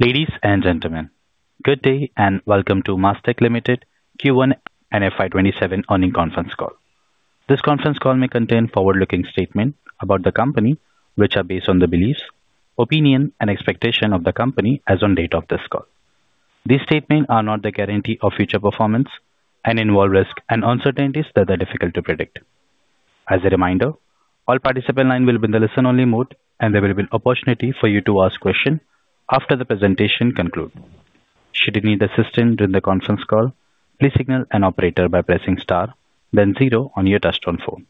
Ladies and gentlemen, good day and welcome to Mastek Limited Q1 and FY 2027 earnings conference call. This conference call may contain forward-looking statements about the company, which are based on the beliefs, opinion, and expectation of the company as on date of this call. These statements are not the guarantee of future performance and involve risks and uncertainties that are difficult to predict. As a reminder, all participant lines will be in the listen-only mode, and there will be opportunity for you to ask questions after the presentation concludes. Should you need assistance during the conference call, please signal an operator by pressing star then zero on your touchtone phone.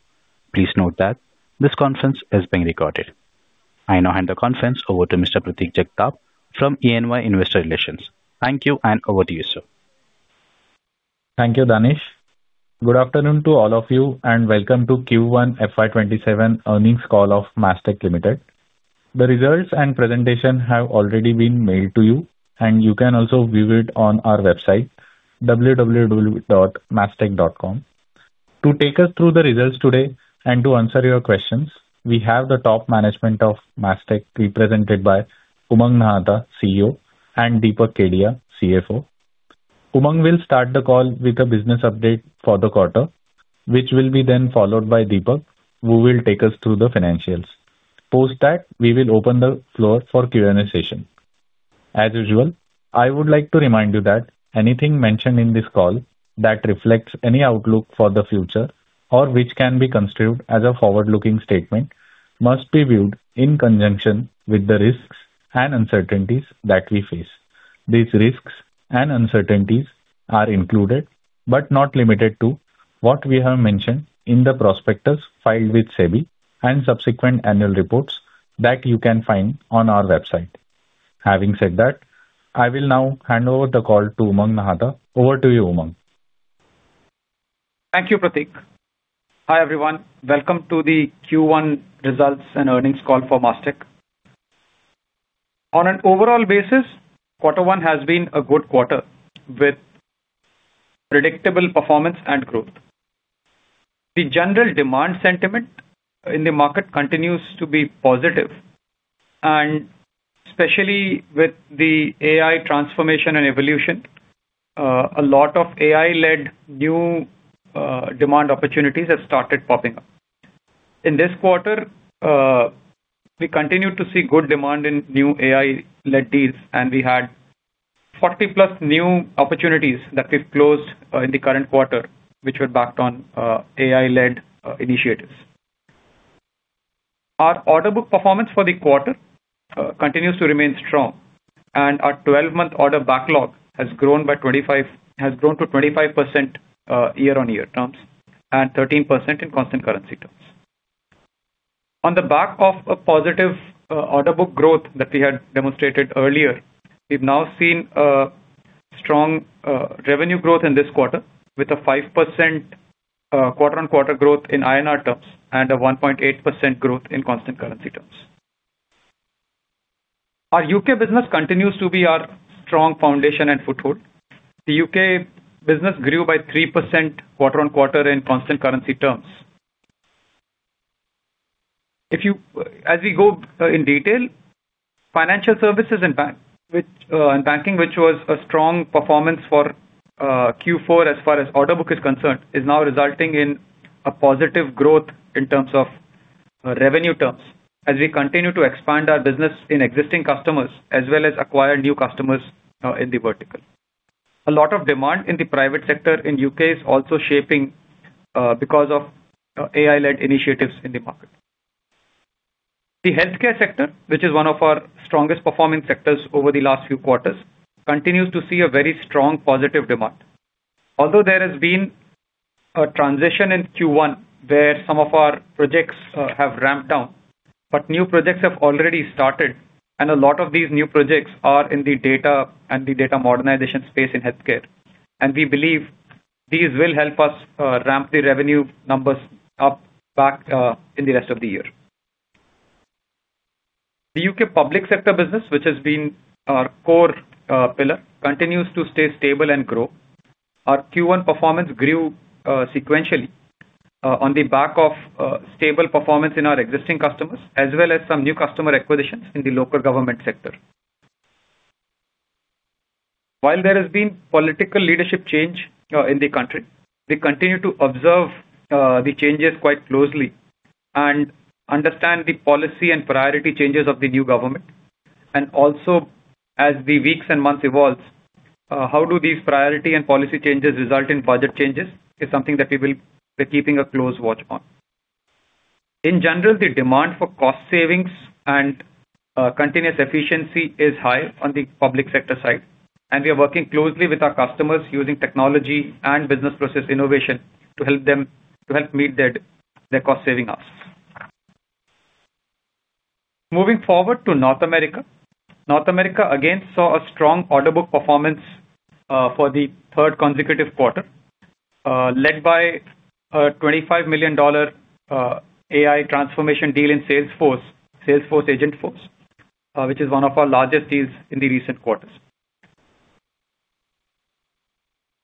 Please note that this conference is being recorded. I now hand the conference over to Mr. Pratik Jagtap from E&Y Investor Relations. Thank you, and over to you, sir. Thank you, Danish. Good afternoon to all of you, and welcome to Q1 FY 2027 earnings call of Mastek Limited. The results and presentation have already been mailed to you, and you can also view it on our website, www.mastek.com. To take us through the results today and to answer your questions, we have the top management of Mastek represented by Umang Nahata, CEO, and Deepak Kedia, CFO. Umang will start the call with a business update for the quarter, which will be then followed by Deepak, who will take us through the financials. Post that, we will open the floor for Q&A session. As usual, I would like to remind you that anything mentioned in this call that reflects any outlook for the future, or which can be construed as a forward-looking statement, must be viewed in conjunction with the risks and uncertainties that we face. These risks and uncertainties are included, but not limited to, what we have mentioned in the prospectus filed with SEBI and subsequent annual reports that you can find on our website. Having said that, I will now hand over the call to Umang Nahata. Over to you, Umang. Thank you, Pratik. Hi, everyone. Welcome to the Q1 results and earnings call for Mastek. On an overall basis, quarter one has been a good quarter, with predictable performance and growth. The general demand sentiment in the market continues to be positive, and especially with the AI transformation and evolution, a lot of AI-led new demand opportunities have started popping up. In this quarter, we continued to see good demand in new AI-led deals, and we had 40+ new opportunities that we've closed in the current quarter, which were backed on AI-led initiatives. Our order book performance for the quarter continues to remain strong, and our 12-month order backlog has grown to 25% year-over-year terms, and 13% in constant currency terms. On the back of a positive order book growth that we had demonstrated earlier, we've now seen a strong revenue growth in this quarter with a 5% quarter-on-quarter growth in INR terms and a 1.8% growth in constant currency terms. Our U.K. business continues to be our strong foundation and foothold. The U.K. business grew by 3% quarter-on-quarter in constant currency terms. As we go in detail, financial services and banking, which was a strong performance for Q4 as far as order book is concerned, is now resulting in a positive growth in terms of revenue terms as we continue to expand our business in existing customers as well as acquire new customers in the vertical. A lot of demand in the private sector in U.K. is also shaping because of AI-led initiatives in the market. The healthcare sector, which is one of our strongest performing sectors over the last few quarters, continues to see a very strong positive demand. Although there has been a transition in Q1 where some of our projects have ramped down, new projects have already started, and a lot of these new projects are in the data and the data modernization space in healthcare. We believe these will help us ramp the revenue numbers up back in the rest of the year. The U.K. public sector business, which has been our core pillar, continues to stay stable and grow. Our Q1 performance grew sequentially on the back of stable performance in our existing customers, as well as some new customer acquisitions in the local government sector. While there has been political leadership change in the country, we continue to observe the changes quite closely and understand the policy and priority changes of the new government. Also as the weeks and months evolve, how do these priority and policy changes result in budget changes is something that we're keeping a close watch on. In general, the demand for cost savings and continuous efficiency is high on the public sector side, and we are working closely with our customers using technology and business process innovation to help meet their cost-saving asks. Moving forward to North America. North America again saw a strong order book performance for the third consecutive quarter, led by a $25 million AI transformation deal in Salesforce Agentforce, which is one of our largest deals in the recent quarters.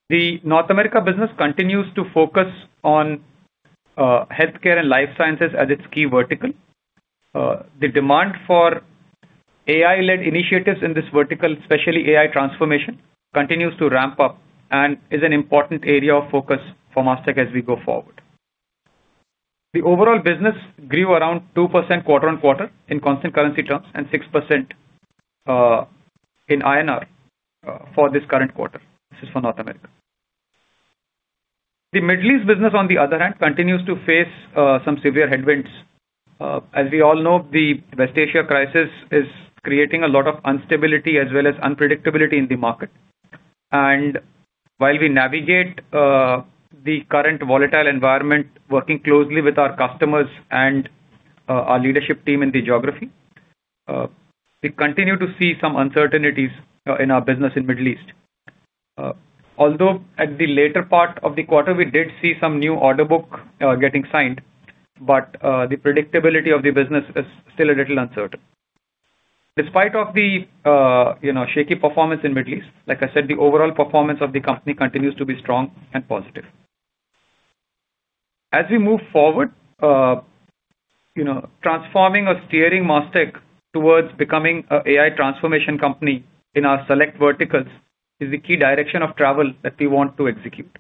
The North America business continues to focus on healthcare and life sciences as its key vertical. The demand for AI-led initiatives in this vertical, especially AI transformation, continues to ramp up and is an important area of focus for Mastek as we go forward. The overall business grew around 2% quarter-on-quarter in constant currency terms and 6% in INR for this current quarter. This is for North America. The Middle East business, on the other hand, continues to face some severe headwinds. As we all know, the West Asia crisis is creating a lot of instability as well as unpredictability in the market. While we navigate the current volatile environment, working closely with our customers and our leadership team in the geography, we continue to see some uncertainties in our business in Middle East. At the later part of the quarter, we did see some new order book getting signed, the predictability of the business is still a little uncertain. Despite the shaky performance in Middle East, like I said, the overall performance of the company continues to be strong and positive. As we move forward, transforming or steering Mastek towards becoming an AI transformation company in our select verticals is the key direction of travel that we want to execute.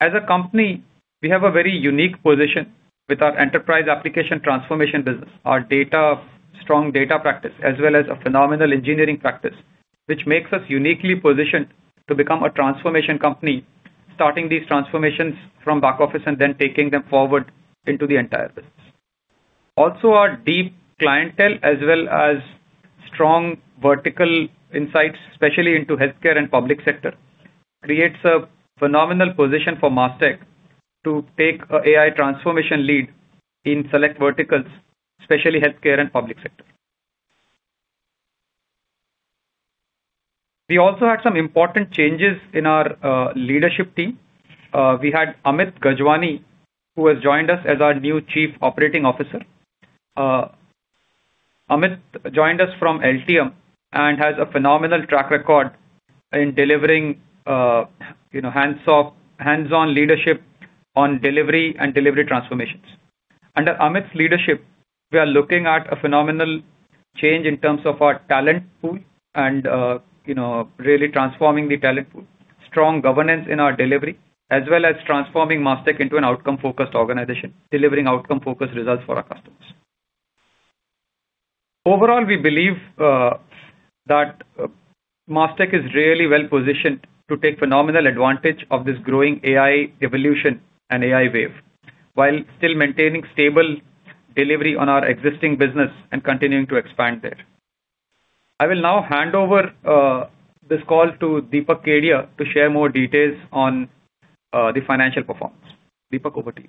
As a company, we have a very unique position with our enterprise application transformation business. Our strong data practice, as well as a phenomenal engineering practice, which makes us uniquely positioned to become a transformation company, starting these transformations from back office and then taking them forward into the entire business. Our deep clientele, as well as strong vertical insights, especially into healthcare and public sector, creates a phenomenal position for Mastek to take an AI transformation lead in select verticals, especially healthcare and public sector. We also had some important changes in our leadership team. We had Amit Gajwani, who has joined us as our new Chief Operating Officer. Amit joined us from Altium and has a phenomenal track record in delivering hands-on leadership on delivery and delivery transformations. Under Amit's leadership, we are looking at a phenomenal change in terms of our talent pool and really transforming the talent pool, strong governance in our delivery, as well as transforming Mastek into an outcome-focused organization, delivering outcome-focused results for our customers. Overall, we believe that Mastek is really well-positioned to take phenomenal advantage of this growing AI evolution and AI wave, while still maintaining stable delivery on our existing business and continuing to expand there. I will now hand over this call to Deepak Kedia to share more details on the financial performance. Deepak, over to you.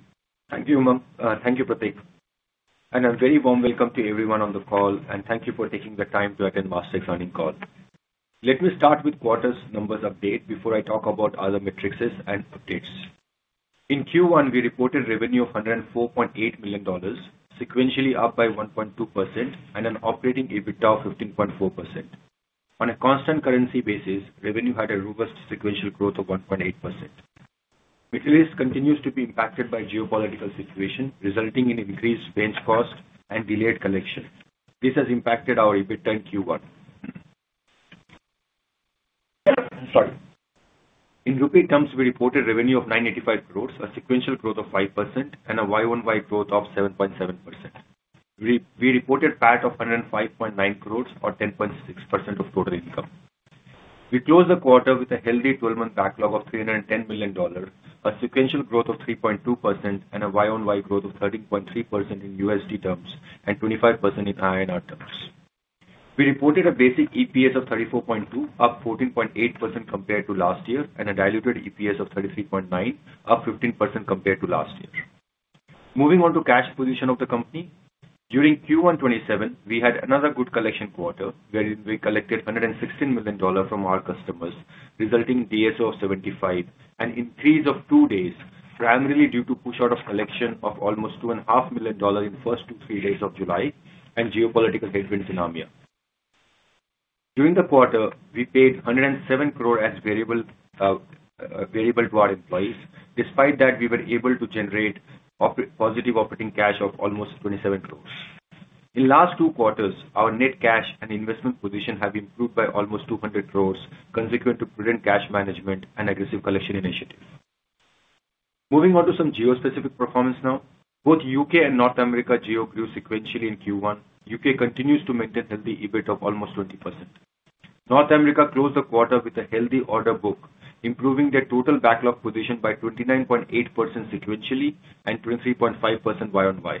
Thank you, Umang. A very warm welcome to everyone on the call and thank you for taking the time to attend Mastek's earnings call. Let me start with quarter's numbers update before I talk about other metrics and updates. In Q1, we reported revenue of $104.8 million, sequentially up by 1.2%, and an operating EBITDA of 15.4%. On a constant currency basis, revenue had a robust sequential growth of 1.8%. Middle East continues to be impacted by geopolitical situation, resulting in increased range costs and delayed collection. This has impacted our EBITDA in Q1. Sorry. In rupee terms, we reported revenue of 985 crore, a sequential growth of 5%, and a YoY growth of 7.7%. We reported PAT of 105.9 crore, or 10.6% of total income. We closed the quarter with a healthy 12-month backlog of $310 million, a sequential growth of 3.2%, and a YoY growth of 13.3% in USD terms and 25% in INR terms. We reported a basic EPS of 34.2, up 14.8% compared to last year, and a diluted EPS of 33.9, up 15% compared to last year. Moving on to cash position of the company. During Q1 2027, we had another good collection quarter, wherein we collected INR 116 million from our customers, resulting in DSO of 75, an increase of two days, primarily due to push out of collection of almost INR 2.5 million in the first two, three days of July and geopolitical headwinds in AMEA. During the quarter, we paid 107 crore as variable to our employees. Despite that, we were able to generate positive operating cash of almost 27 crore. In last two quarters, our net cash and investment position have improved by almost 200 crore, consequent to prudent cash management and aggressive collection initiative. Moving on to some geo-specific performance now. Both U.K. and North America geo grew sequentially in Q1. U.K. continues to maintain healthy EBIT of almost 20%. North America closed the quarter with a healthy order book, improving their total backlog position by 29.8% sequentially and 23.5% YoY.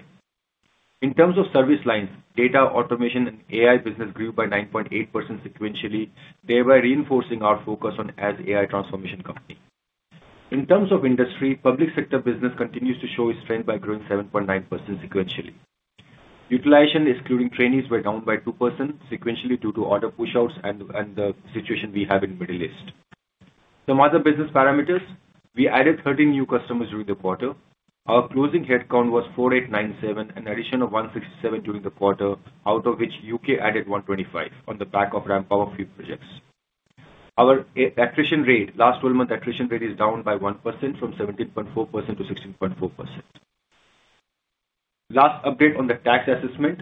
In terms of service lines, data automation and AI business grew by 9.8% sequentially, thereby reinforcing our focus on as AI transformation company. In terms of industry, public sector business continues to show its strength by growing 7.9% sequentially. Utilization, excluding trainees, were down by 2% sequentially due to order push-outs and the situation we have in Middle East. Some other business parameters, we added 13 new customers during the quarter. Our closing headcount was 4897, an addition of 167 during the quarter, out of which U.K. added 125 on the back of ramp up for few projects. Our attrition rate, last 12-month attrition rate is down by 1% from 17.4% to 16.4%. Last update on the tax assessment.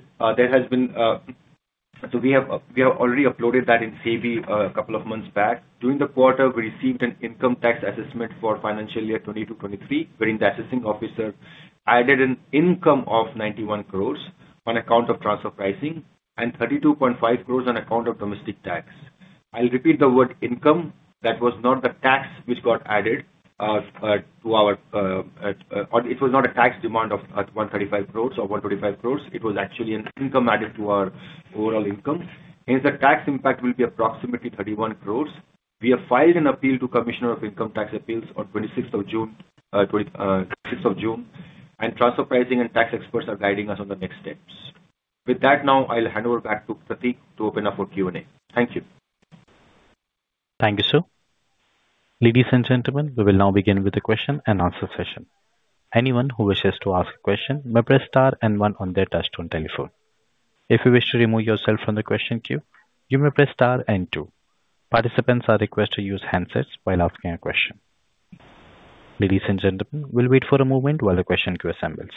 We have already uploaded that in SEBI a couple of months back. During the quarter, we received an income tax assessment for financial year 2022-2023, wherein the assessing officer added an income of 91 crore on account of transfer pricing and 32.5 crore on account of domestic tax. I'll repeat the word income. That was not the tax which got added. It was not a tax demand of 135 crore or 125 crore. It was actually an income added to our overall income. Hence, the tax impact will be approximately 31 crore. We have filed an appeal to Commissioner of Income Tax (Appeals) on 26th of June. Transfer pricing and tax experts are guiding us on the next steps. With that, now I'll hand over back to Pratik to open up for Q&A. Thank you. Thank you, sir. Ladies and gentlemen, we will now begin with the question and answer session. Anyone who wishes to ask a question may press star and one on their touch-tone telephone. If you wish to remove yourself from the question queue, you may press star and two. Participants are requested to use handsets while asking a question. Ladies and gentlemen, we will wait for a moment while the question queue assembles.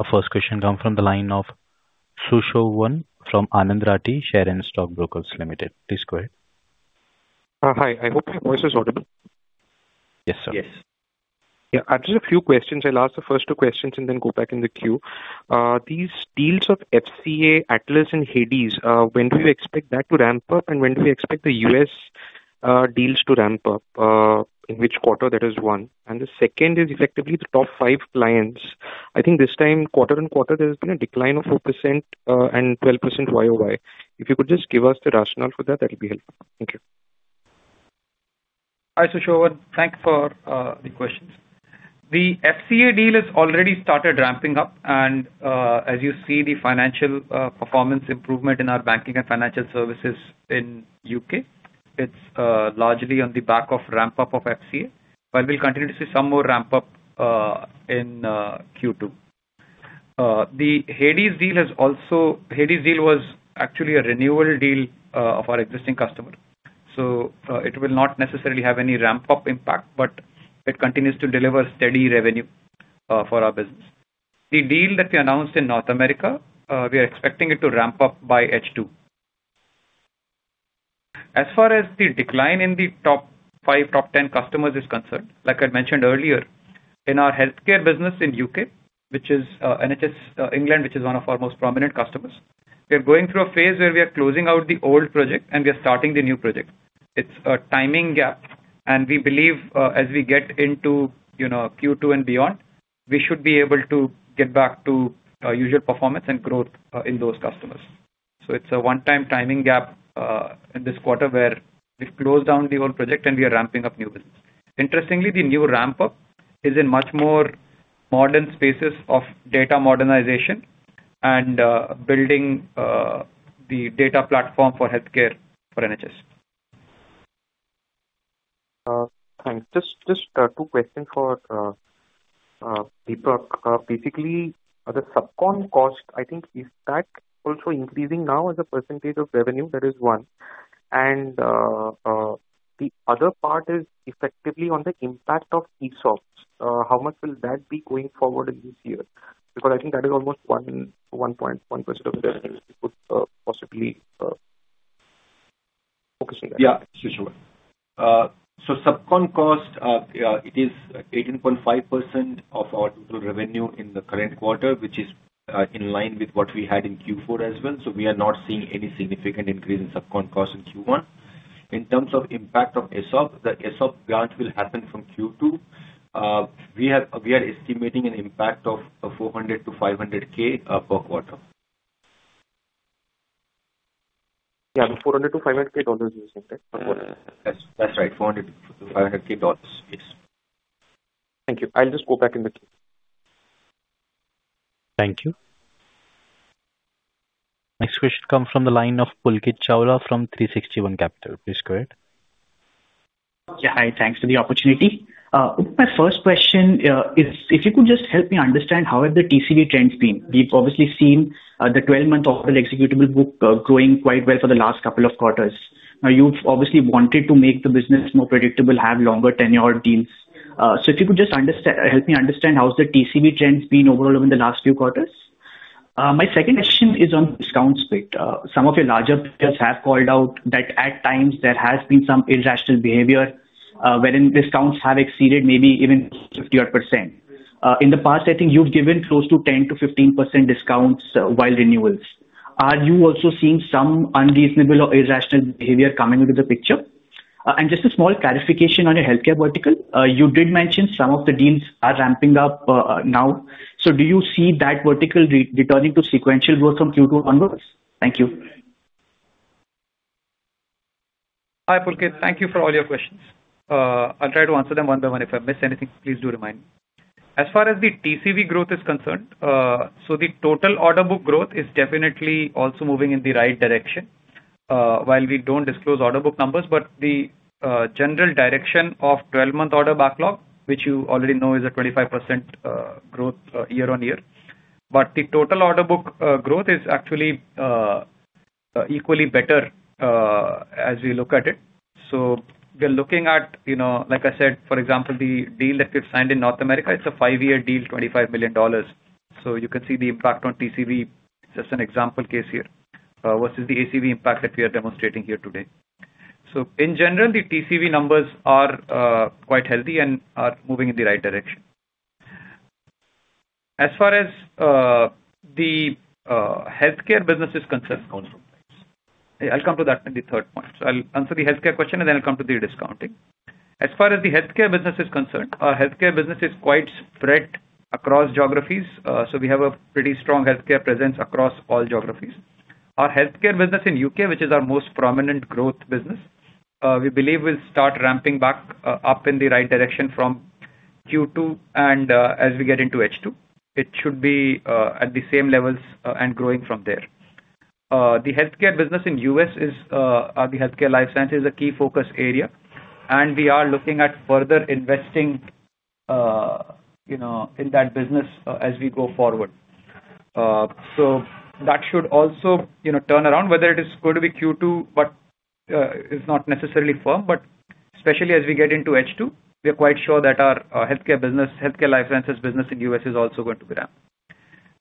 Our first question come from the line of Sushovan from Anand Rathi Share and Stock Brokers Limited. Please go ahead. Hi. I hope my voice is audible. Yes, sir. Yes. Yeah. I have just a few questions. I will ask the first two questions and then go back in the queue. These deals of FCA, ATLAS, and HADES, when do you expect that to ramp up, and when do you expect the U.S. deals to ramp up? In which quarter? That is one. The second is effectively the top five clients. I think this time, quarter-on-quarter, there has been a decline of 4% and 12% YoY. If you could just give us the rationale for that will be helpful. Thank you. Hi, Sushovan. Thank you for the questions. The FCA deal has already started ramping up, and as you see the financial performance improvement in our banking and financial services in U.K., it's largely on the back of ramp-up of FCA. We'll continue to see some more ramp-up in Q2. The HADES deal was actually a renewal deal of our existing customer. It will not necessarily have any ramp-up impact, but it continues to deliver steady revenue for our business. The deal that we announced in North America, we are expecting it to ramp up by H2. As far as the decline in the top five, top 10 customers is concerned, like I'd mentioned earlier, in our healthcare business in U.K., which is NHS England, which is one of our most prominent customers, we are going through a phase where we are closing out the old project and we are starting the new project. It's a timing gap, and we believe, as we get into Q2 and beyond, we should be able to get back to our usual performance and growth in those customers. It's a one-time timing gap, in this quarter, where we've closed down the old project and we are ramping up new business. Interestingly, the new ramp-up is in much more modern spaces of data modernization and building the data platform for healthcare for NHS. Thanks. Just two questions for Deepak. Basically, the subcon cost, I think is that also increasing now as a percentage of revenue? That is one. The other part is effectively on the impact of ESOPs. How much will that be going forward in this year? Because I think that is almost 1% of revenue. Possibly focus on that. Yeah, Sushovan. Subcon cost, it is 18.5% of our total revenue in the current quarter, which is in line with what we had in Q4 as well. We are not seeing any significant increase in subcon cost in Q1. In terms of impact of ESOP, the ESOP grant will happen from Q2. We are estimating an impact of $400,000-$500,000 per quarter. Yeah. $400,000-$500,000 you said, right, per quarter? That's right. $400,000-$500,000. Yes. Thank you. I'll just go back in the queue. Thank you. Next question come from the line of Pulkit Chawla from 360 ONE Capital. Please go ahead. Hi, thanks for the opportunity. My first question is if you could just help me understand how have the TCV trends been? We've obviously seen the 12-month executable book growing quite well for the last couple of quarters. You've obviously wanted to make the business more predictable, have longer tenure deals. If you could just help me understand how's the TCV trends been overall over the last few quarters? My second question is on discount split. Some of your larger peers have called out that at times there has been some irrational behavior, wherein discounts have exceeded maybe even 50% odd. In the past, I think you've given close to 10%-15% discounts while renewals. Are you also seeing some unreasonable or irrational behavior coming into the picture? Just a small clarification on your healthcare vertical. You did mention some of the deals are ramping up now. Do you see that vertical returning to sequential growth from Q2 onwards? Thank you. Hi, Pulkit. Thank you for all your questions. I'll try to answer them one by one. If I miss anything, please do remind me. As far as the TCV growth is concerned, the total order book growth is definitely also moving in the right direction. While we don't disclose order book numbers, the general direction of 12-month order backlog, which you already know, is a 25% growth year-on-year. The total order book growth is actually equally better, as we look at it. We're looking at, like I said, for example, the deal that we've signed in North America. It's a five-year deal, $25 million. You can see the impact on TCV, just an example case here, versus the ACV impact that we are demonstrating here today. In general, the TCV numbers are quite healthy and are moving in the right direction. As far as the healthcare business is concerned also. I'll come to that in the third point. I'll answer the healthcare question, then I'll come to the discounting. As far as the healthcare business is concerned, our healthcare business is quite spread across geographies. We have a pretty strong healthcare presence across all geographies. Our healthcare business in U.K., which is our most prominent growth business, we believe will start ramping back up in the right direction from Q2 and as we get into H2. It should be at the same levels and growing from there. The healthcare business in U.S. is, the healthcare life sciences is a key focus area, and we are looking at further investing in that business as we go forward. That should also turn around whether it is going to be Q2, but it's not necessarily firm. Especially as we get into H2, we are quite sure that our healthcare life sciences business in U.S. is also going to be ramped.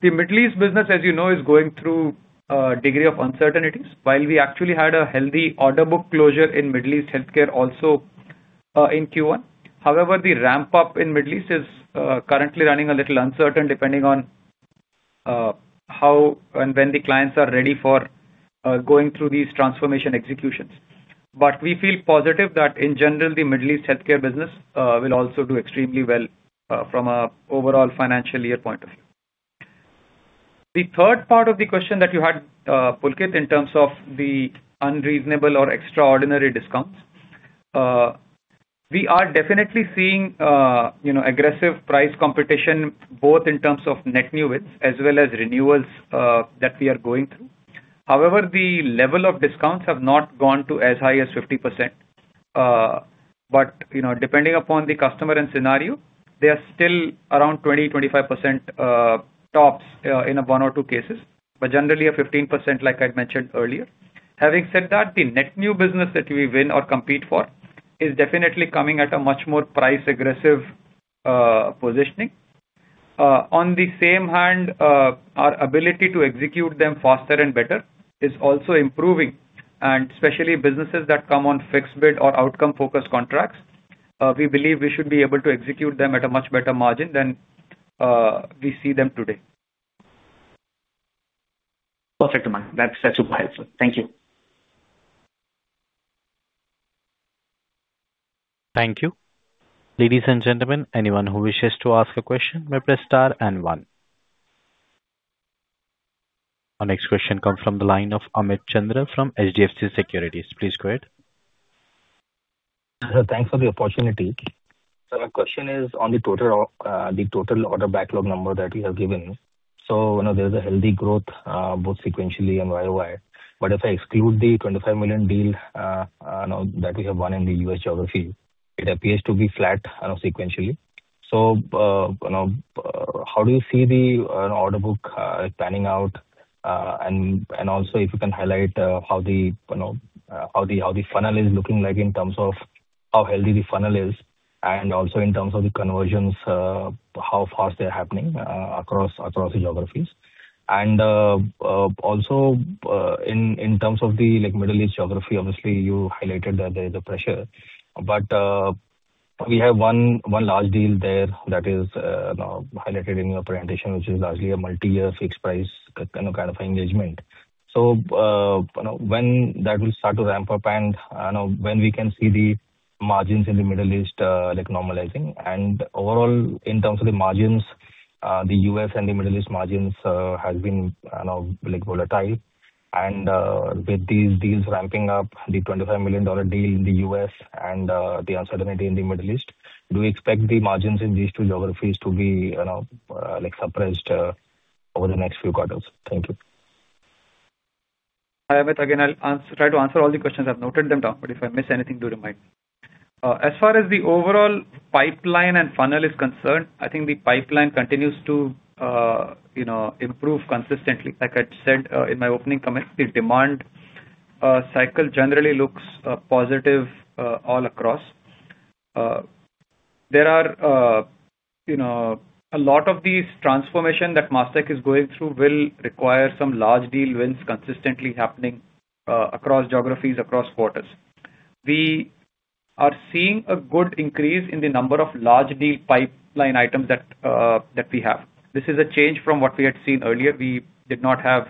The Middle East business, as you know, is going through a degree of uncertainties. While we actually had a healthy order book closure in Middle East healthcare also in Q1. However, the ramp-up in Middle East is currently running a little uncertain, depending on how and when the clients are ready for going through these transformation executions. We feel positive that in general, the Middle East healthcare business will also do extremely well from an overall financial year point of view. The third part of the question that you had, Pulkit, in terms of the unreasonable or extraordinary discounts. We are definitely seeing aggressive price competition, both in terms of net new wins as well as renewals that we are going through. However, the level of discounts have not gone to as high as 15%. Depending upon the customer and scenario, they are still around 20%-25% tops in one or two cases. Generally, a 15%, like I'd mentioned earlier. Having said that, the net new business that we win or compete for is definitely coming at a much more price-aggressive positioning. On the same hand, our ability to execute them faster and better is also improving, and especially businesses that come on fixed bid or outcome-focused contracts. We believe we should be able to execute them at a much better margin than we see them today. Perfect, Umang. That's super helpful. Thank you. Thank you. Ladies and gentlemen, anyone who wishes to ask a question may press star and one. Our next question comes from the line of Amit Chandra from HDFC Securities. Please go ahead. Thanks for the opportunity. My question is on the total order backlog number that you have given. There's a healthy growth both sequentially and YoY. If I exclude the $25 million deal that we have won in the U.S. geography, it appears to be flat sequentially. How do you see the order book panning out? Also if you can highlight how the funnel is looking like in terms of how healthy the funnel is and also in terms of the conversions, how fast they're happening across the geographies. Also, in terms of the Middle East geography, obviously, you highlighted that there's a pressure. We have one large deal there that is highlighted in your presentation, which is largely a multi-year fixed-price kind of engagement. When that will start to ramp up and when we can see the margins in the Middle East normalizing. Overall, in terms of the margins, the U.S. and the Middle East margins has been volatile. With these deals ramping up, the $25 million deal in the U.S. and the uncertainty in the Middle East, do you expect the margins in these two geographies to be suppressed over the next few quarters? Thank you. Hi, Amit. Again, I'll try to answer all the questions. I've noted them down, but if I miss anything, do remind me. As far as the overall pipeline and funnel is concerned, I think the pipeline continues to improve consistently. Like I said in my opening comments, the demand cycle generally looks positive all across. A lot of these transformation that Mastek is going through will require some large deal wins consistently happening across geographies, across quarters. We are seeing a good increase in the number of large deal pipeline items that we have. This is a change from what we had seen earlier. We did not have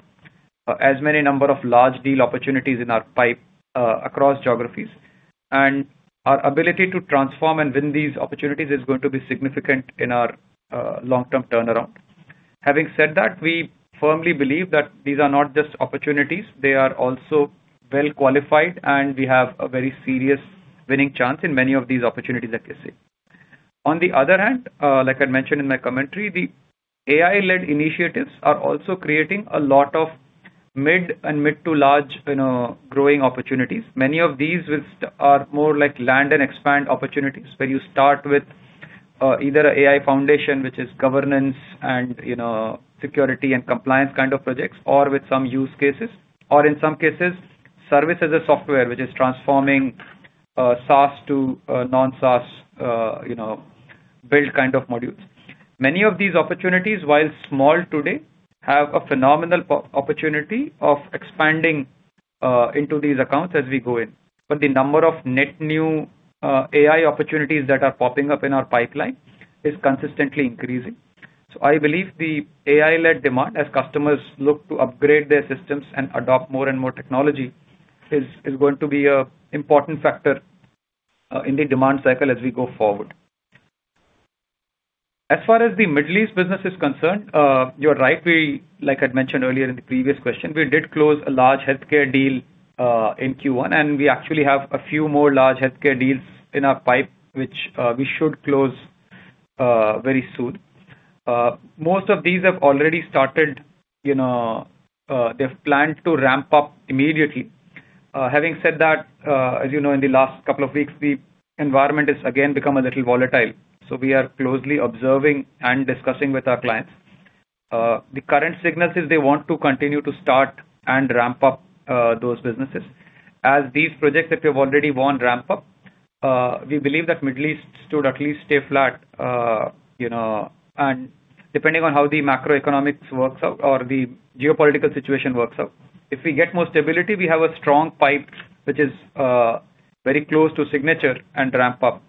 as many number of large deal opportunities in our pipe across geographies. Our ability to transform and win these opportunities is going to be significant in our long-term turnaround. Having said that, we firmly believe that these are not just opportunities. They are also well qualified and we have a very serious winning chance in many of these opportunities that we see. On the other hand, like I mentioned in my commentary, the AI-led initiatives are also creating a lot of mid and mid to large growing opportunities. Many of these are more like land and expand opportunities, where you start with either AI foundation, which is governance and security and compliance kind of projects, or with some use cases, or in some cases, service as a software, which is transforming SaaS to non-SaaS build kind of modules. Many of these opportunities, while small today, have a phenomenal opportunity of expanding into these accounts as we go in. The number of net new AI opportunities that are popping up in our pipeline is consistently increasing. I believe the AI-led demand, as customers look to upgrade their systems and adopt more and more technology, is going to be an important factor in the demand cycle as we go forward. As far as the Middle East business is concerned, you are right. Like I mentioned earlier in the previous question, we did close a large healthcare deal in Q1, and we actually have a few more large healthcare deals in our pipe, which we should close very soon. Most of these have already started. They have planned to ramp up immediately. Having said that, as you know, in the last couple of weeks, the environment has again become a little volatile. We are closely observing and discussing with our clients. The current signal is they want to continue to start and ramp up those businesses. As these projects that we've already won ramp up, we believe that Middle East should at least stay flat, and depending on how the macroeconomics works out or the geopolitical situation works out. If we get more stability, we have a strong pipe, which is very close to signature and ramp up.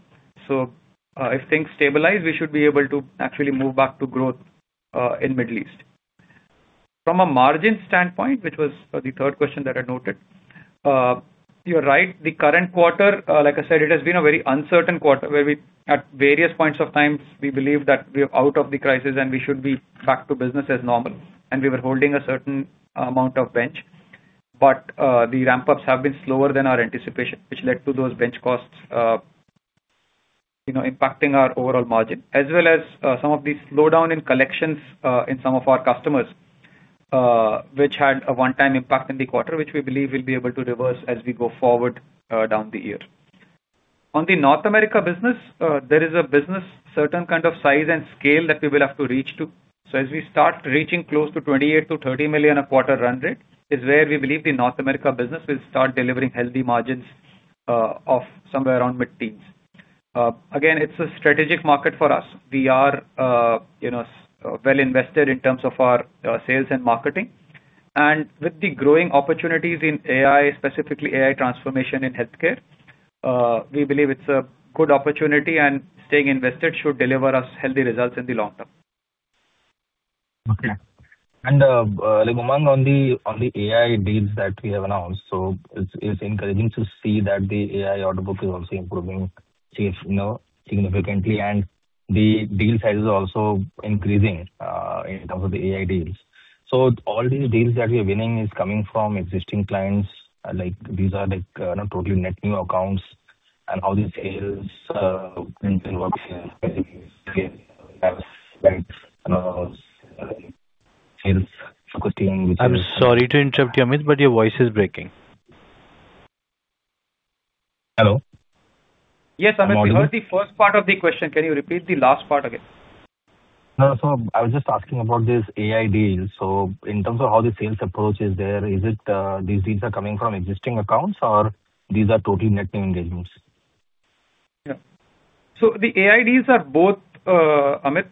If things stabilize, we should be able to actually move back to growth in Middle East. From a margin standpoint, which was the third question that I noted. You're right. The current quarter, like I said, it has been a very uncertain quarter where at various points of times, we believe that we are out of the crisis and we should be back to business as normal. We were holding a certain amount of bench. The ramp-ups have been slower than our anticipation, which led to those bench costs impacting our overall margin. As well as some of the slowdown in collections in some of our customers, which had a one-time impact in the quarter, which we believe we'll be able to reverse as we go forward down the year. On the North America business, there is a business certain kind of size and scale that we will have to reach to. As we start reaching close to $28 million-$30 million a quarter run rate is where we believe the North America business will start delivering healthy margins of somewhere around mid-teens. Again, it's a strategic market for us. We are well invested in terms of our sales and marketing. With the growing opportunities in AI, specifically AI transformation in healthcare, we believe it's a good opportunity, and staying invested should deliver us healthy results in the long term. Okay. Umang, on the AI deals that we have announced, it's encouraging to see that the AI order book is also improving significantly, and the deal size is also increasing in terms of the AI deals. All these deals that we are winning is coming from existing clients. These are totally net new accounts and how these sales continue? I'm sorry to interrupt you, Amit, but your voice is breaking. Hello? Am I audible? Yes, Amit. We heard the first part of the question. Can you repeat the last part again? No. I was just asking about this AI deal. In terms of how the sales approach is there, these deals are coming from existing accounts or these are totally net new engagements? The AI deals are both, Amit.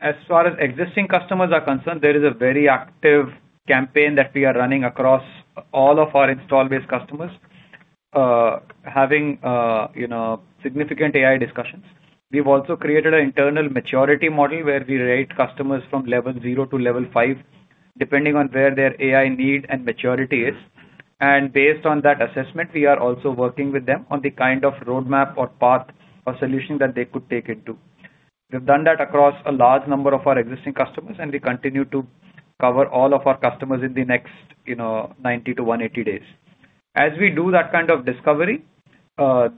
As far as existing customers are concerned, there is a very active campaign that we are running across all of our install-based customers, having significant AI discussions. We have also created an internal maturity model where we rate customers from level zero to level five, depending on where their AI need and maturity is. Based on that assessment, we are also working with them on the kind of roadmap or path or solution that they could take it to. We have done that across a large number of our existing customers, and we continue to cover all of our customers in the next 90-180 days. As we do that kind of discovery,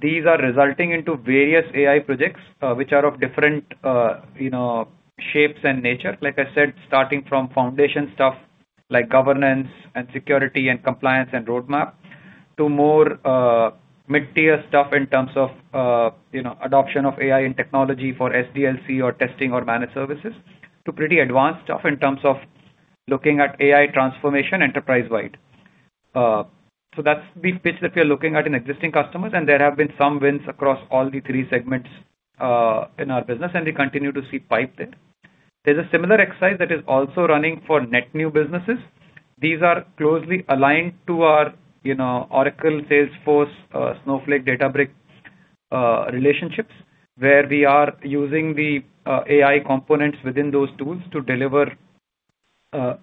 these are resulting into various AI projects, which are of different shapes and nature. Like I said, starting from foundation stuff like governance and security and compliance and roadmap to more mid-tier stuff in terms of adoption of AI in technology for SDLC or testing or managed services to pretty advanced stuff in terms of looking at AI transformation enterprise-wide. That is the pitch that we are looking at in existing customers, and there have been some wins across all the three segments in our business, and we continue to see pipe there. There is a similar exercise that is also running for net new businesses. These are closely aligned to our Oracle, Salesforce, Snowflake, Databricks relationships, where we are using the AI components within those tools to deliver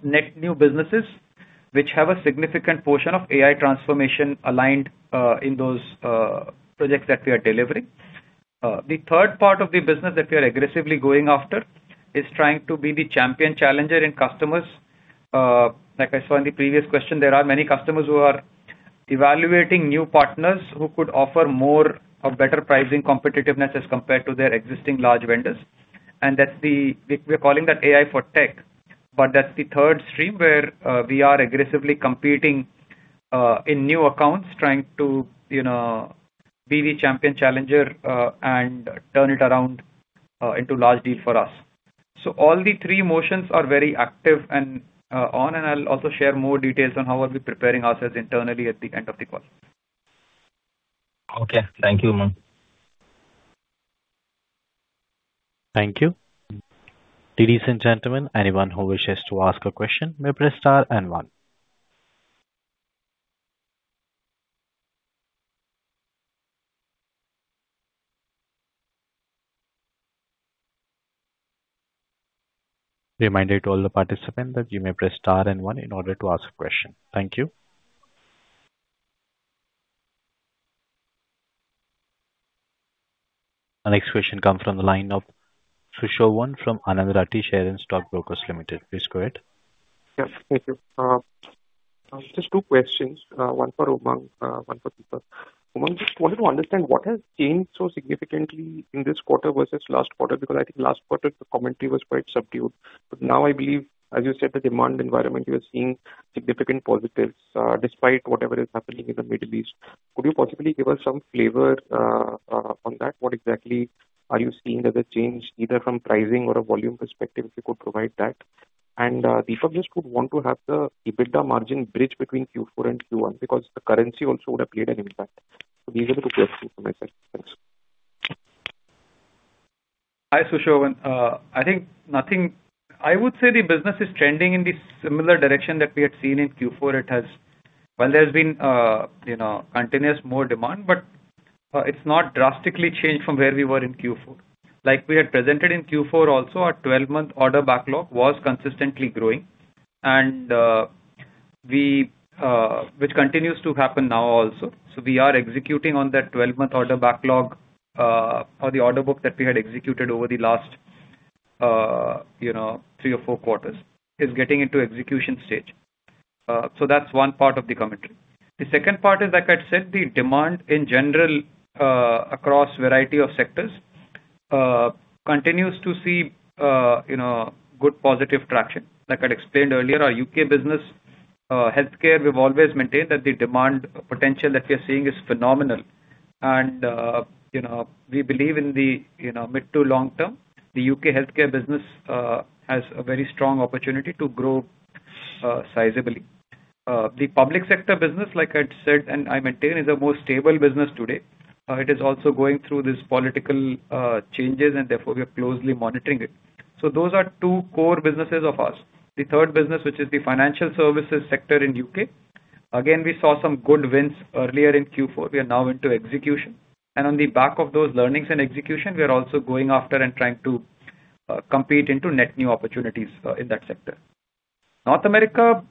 net new businesses, which have a significant portion of AI transformation aligned in those projects that we are delivering. The third part of the business that we are aggressively going after is trying to be the champion challenger in customers. Like I saw in the previous question, there are many customers who are evaluating new partners who could offer more or better pricing competitiveness as compared to their existing large vendors. We are calling that AI for tech, that is the third stream where we are aggressively competing in new accounts, trying to be the champion challenger and turn it around into large deal for us. All the three motions are very active and on, and I will also share more details on how are we preparing ourselves internally at the end of the call. Thank you. Thank you. Ladies and gentlemen, anyone who wishes to ask a question, may press star and one. Reminder to all the participant that you may press star and one in order to ask a question. Thank you. Our next question comes from the line of Sushovan from Anand Rathi Share and Stock Brokers Limited. Please go ahead. Yes. Thank you. Just two questions, one for Umang, one for Deepak. Umang, just wanted to understand what has changed so significantly in this quarter versus last quarter, because I think last quarter the commentary was quite subdued. Now I believe, as you said, the demand environment, you're seeing significant positives, despite whatever is happening in the Middle East. Could you possibly give us some flavor on that? What exactly are you seeing as a change, either from pricing or a volume perspective, if you could provide that? Deepak, just would want to have the EBITDA margin bridge between Q4 and Q1, because the currency also would have played an impact. These are the two questions from my side. Thanks. Hi, Sushovan. I would say the business is trending in the similar direction that we had seen in Q4. Well, there's been continuous more demand, but it's not drastically changed from where we were in Q4. Like we had presented in Q4 also, our 12-month order backlog was consistently growing, which continues to happen now also. We are executing on that 12-month order backlog, or the order book that we had executed over the last three or four quarters is getting into execution stage. That's one part of the commentary. The second part is, like I said, the demand in general, across variety of sectors, continues to see good positive traction. Like I'd explained earlier, our U.K. business, healthcare, we've always maintained that the demand potential that we are seeing is phenomenal. We believe in the mid to long term, the U.K. healthcare business has a very strong opportunity to grow sizably. The public sector business, like I'd said and I maintain, is a more stable business today. It is also going through these political changes and therefore we are closely monitoring it. Those are two core businesses of ours. The third business, which is the financial services sector in U.K., again, we saw some good wins earlier in Q4. We are now into execution. On the back of those learnings and execution, we're also going after and trying to compete into net new opportunities in that sector. North America,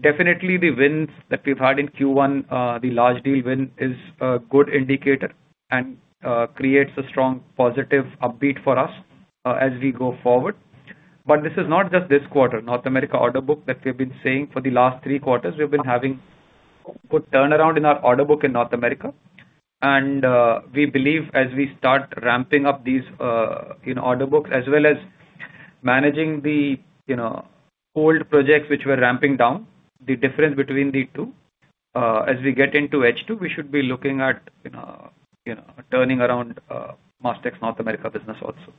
definitely the wins that we've had in Q1, the large deal win is a good indicator and creates a strong positive upbeat for us as we go forward. This is not just this quarter, North America order book that we've been saying for the last three quarters, we've been having good turnaround in our order book in North America. We believe as we start ramping up these order books as well as managing the old projects which we're ramping down, the difference between the two, as we get into H2, we should be looking at turning around Mastek's North America business also.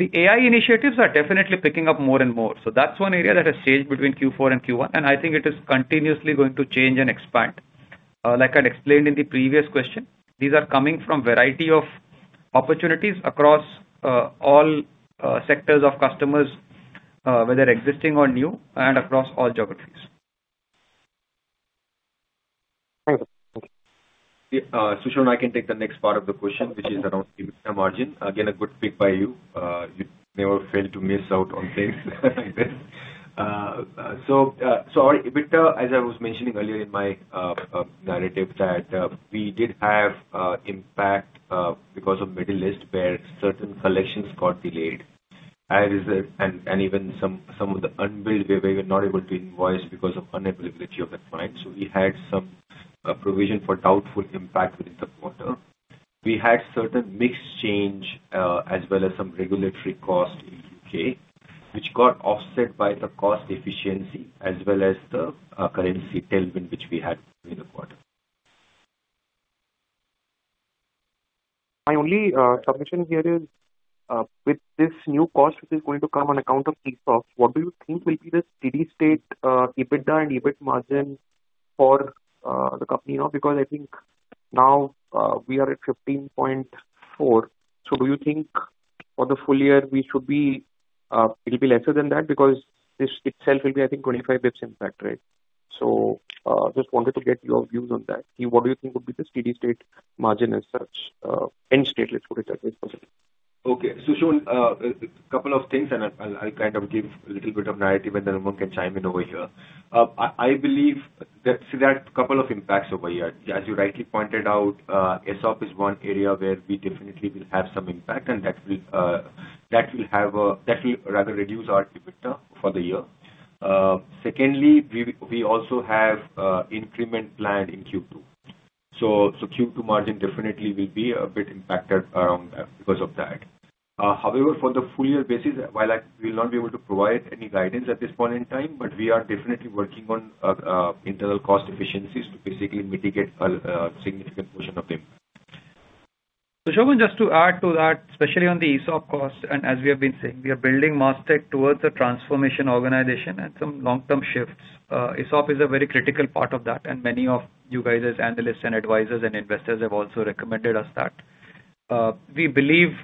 The AI initiatives are definitely picking up more and more. That's one area that has changed between Q4 and Q1, and I think it is continuously going to change and expand. Like I'd explained in the previous question, these are coming from variety of opportunities across all sectors of customers, whether existing or new and across all geographies. Thank you. Sushovan, I can take the next part of the question, which is around EBITDA margin. Again, a good pick by you. You never fail to miss out on things like this. Our EBITDA, as I was mentioning earlier in my narrative that we did have impact because of Middle East where certain collections got delayed. Even some of the unbilled where we were not able to invoice because of unavailability of the client. We had some provision for doubtful impact within the quarter. We had certain mix change, as well as some regulatory cost in U.K., which got offset by the cost efficiency as well as the currency tailwind which we had in the quarter. My only submission here is, with this new cost which is going to come on account of ESOP, what do you think will be the steady state EBITDA and EBIT margin for the company now? Because I think now we are at 15.4%. Do you think for the full year it'll be lesser than that? Because this itself will be, I think 25 basis points impact, right? Just wanted to get your views on that. What do you think would be the steady-state margin as such? End state, let's put it that way if possible. Okay. Sushovan, a couple of things and I'll give a little bit of narrative and then Umang can chime in over here. I believe there are a couple of impacts over here. As you rightly pointed out, ESOP is one area where we definitely will have some impact and that will rather reduce our EBITDA for the year. Secondly, we also have increment planned in Q2. Q2 margin definitely will be a bit impacted because of that. However, for the full year basis, while I will not be able to provide any guidance at this point in time, but we are definitely working on internal cost efficiencies to basically mitigate a significant portion of impact. Sushovan, just to add to that, especially on the ESOP cost, and as we have been saying, we are building Mastek towards a transformation organization and some long-term shifts. ESOP is a very critical part of that, and many of you guys as analysts and advisors and investors have also recommended us that. We believe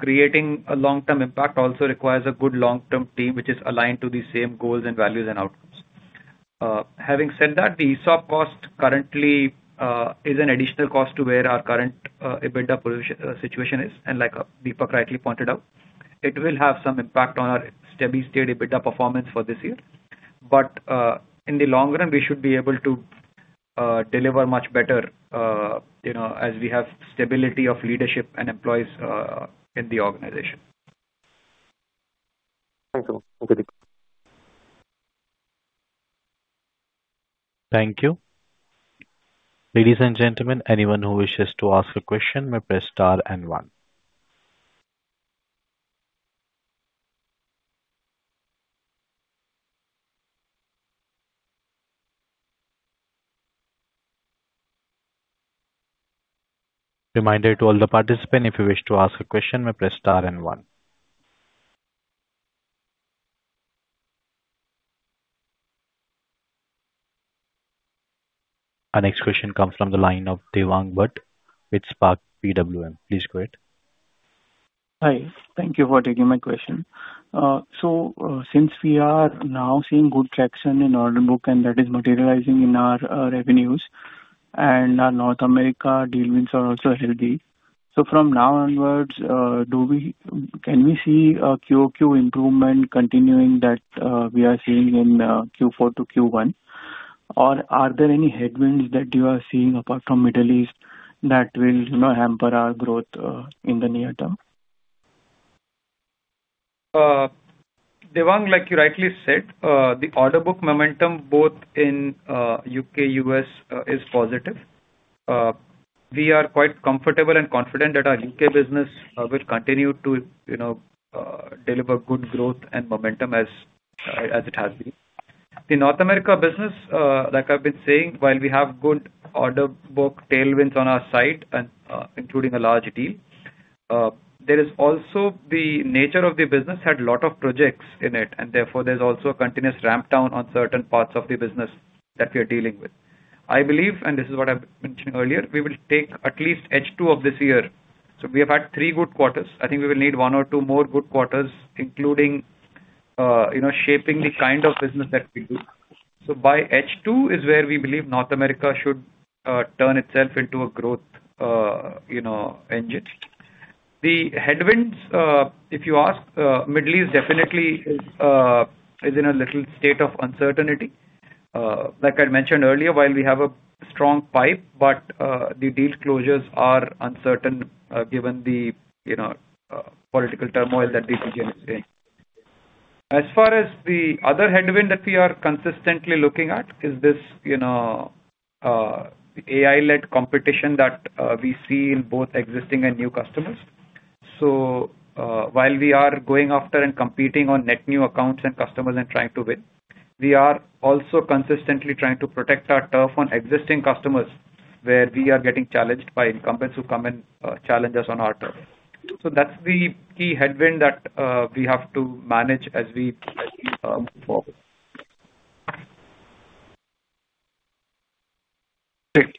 creating a long-term impact also requires a good long-term team, which is aligned to the same goals and values and outcomes. Having said that, the ESOP cost currently is an additional cost to where our current EBITDA situation is, and like Deepak rightly pointed out, it will have some impact on our steady-state EBITDA performance for this year. In the long run, we should be able to deliver much better as we have stability of leadership and employees in the organization. Thank you, Umang. Thank you, Deepak. Thank you. Ladies and gentlemen, anyone who wishes to ask a question may press star and one. Reminder to all the participants, if you wish to ask a question, may press star and one. Our next question comes from the line of Devang Bhatt with Spark PWM. Please go ahead. Hi. Thank you for taking my question. Since we are now seeing good traction in order book, and that is materializing in our revenues, and our North America deal wins are also healthy. From now onwards, can we see a QoQ improvement continuing that we are seeing in Q4 to Q1? Or are there any headwinds that you are seeing apart from Middle East that will hamper our growth in the near term? Devang, like you rightly said, the order book momentum, both in U.K., U.S., is positive. We are quite comfortable and confident that our U.K. business will continue to deliver good growth and momentum as it has been. The North America business, like I've been saying, while we have good order book tailwinds on our side, including a large deal, there is also the nature of the business had lot of projects in it, and therefore, there is also a continuous ramp down on certain parts of the business that we are dealing with. I believe, and this is what I've mentioned earlier, we will take at least H2 of this year. We have had three good quarters. I think we will need one or two more good quarters, including shaping the kind of business that we do. By H2 is where we believe North America should turn itself into a growth engine. The headwinds, if you ask, Middle East definitely is in a little state of uncertainty. Like I mentioned earlier, while we have a strong pipe, but the deal closures are uncertain given the political turmoil that the region is in. As far as the other headwind that we are consistently looking at is this AI-led competition that we see in both existing and new customers. While we are going after and competing on net new accounts and customers and trying to win, we are also consistently trying to protect our turf on existing customers, where we are getting challenged by incumbents who come and challenge us on our turf. That's the key headwind that we have to manage as we forward. Great.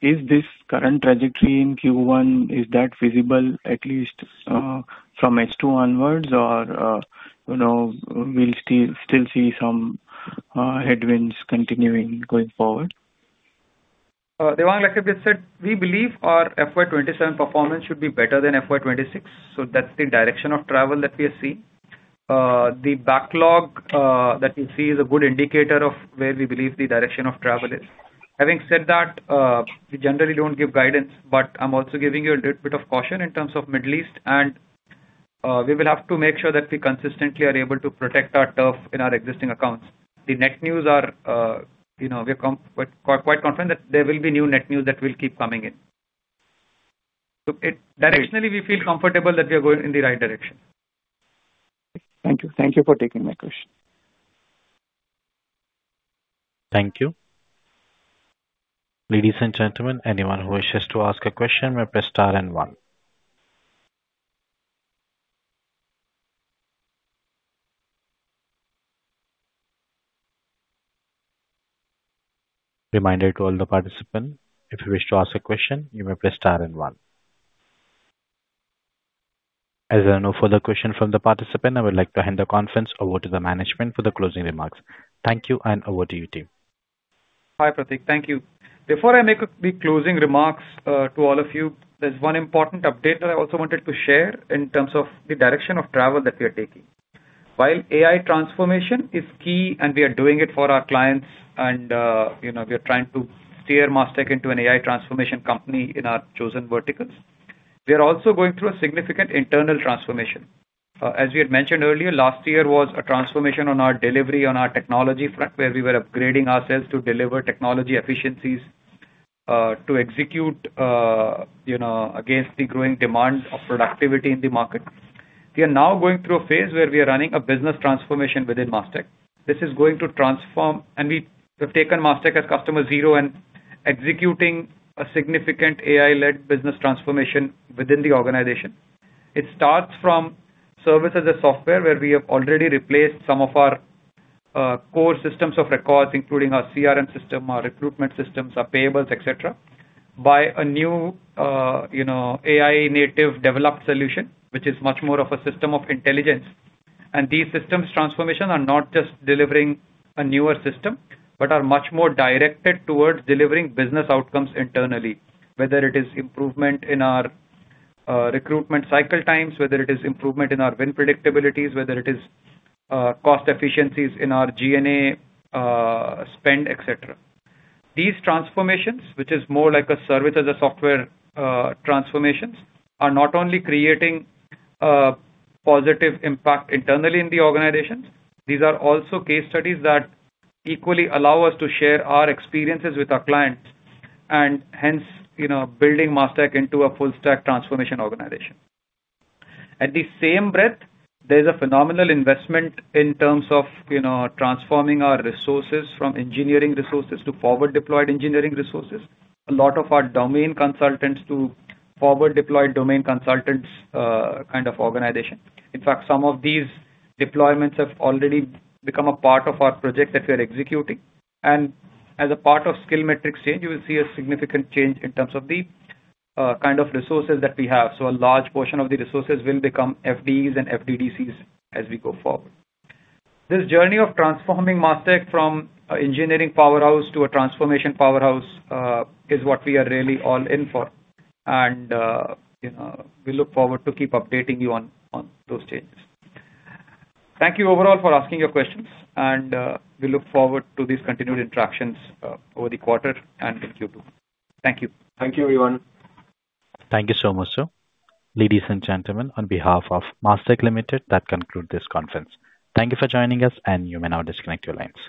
Is this current trajectory in Q1, is that feasible at least from H2 onwards or we will still see some headwinds continuing going forward? Devang, like I just said, we believe our FY 2027 performance should be better than FY 2026. That's the direction of travel that we are seeing. The backlog that we see is a good indicator of where we believe the direction of travel is. Having said that, we generally don't give guidance, but I'm also giving you a little bit of caution in terms of Middle East, and we will have to make sure that we consistently are able to protect our turf in our existing accounts. The net new, we're quite confident that there will be new net new that will keep coming in. Directionally, we feel comfortable that we are going in the right direction. Thank you. Thank you for taking my question. Thank you. Ladies and gentlemen, anyone who wishes to ask a question may press star and one. Reminder to all the participants, if you wish to ask a question, you may press star and one. There are no further questions from the participants, I would like to hand the conference over to the management for the closing remarks. Thank you, and over to you, team. Hi, Pratik. Thank you. Before I make the closing remarks to all of you, there's one important update that I also wanted to share in terms of the direction of travel that we are taking. While AI transformation is key and we are doing it for our clients and we are trying to steer Mastek into an AI transformation company in our chosen verticals, we are also going through a significant internal transformation. We had mentioned earlier, last year was a transformation on our delivery on our technology front, where we were upgrading ourselves to deliver technology efficiencies to execute against the growing demand of productivity in the market. We are now going through a phase where we are running a business transformation within Mastek. This is going to transform, and we have taken Mastek as customer zero and executing a significant AI-led business transformation within the organization. It starts from service as a software where we have already replaced some of our core systems of records, including our CRM system, our recruitment systems, our payables, et cetera, by a new AI-native developed solution, which is much more of a system of intelligence. These systems transformation are not just delivering a newer system, but are much more directed towards delivering business outcomes internally, whether it is improvement in our recruitment cycle times, whether it is improvement in our win predictabilities, whether it is cost efficiencies in our G&A spend, et cetera. These transformations, which is more like a service as a software transformations, are not only creating a positive impact internally in the organizations. These are also case studies that equally allow us to share our experiences with our clients, and hence, building Mastek into a full-stack transformation organization. At the same breadth, there's a phenomenal investment in terms of transforming our resources from engineering resources to forward-deployed engineering resources. A lot of our domain consultants to forward-deployed domain consultants kind of organization. In fact, some of these deployments have already become a part of our project that we are executing. As a part of skill matrix change, you will see a significant change in terms of the kind of resources that we have. A large portion of the resources will become FDEs and FDDCs as we go forward. This journey of transforming Mastek from an engineering powerhouse to a transformation powerhouse is what we are really all in for. We look forward to keep updating you on those changes. Thank you overall for asking your questions, and we look forward to these continued interactions over the quarter, and thank you. Thank you. Thank you, everyone. Thank you so much, sir. Ladies and gentlemen, on behalf of Mastek Limited, that concludes this conference. Thank you for joining us, and you may now disconnect your lines.